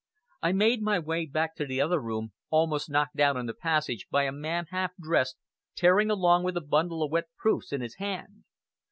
I made my way back to the other room, almost knocked down in the passage by a man, half dressed, tearing along with a bundle of wet proofs in his hand.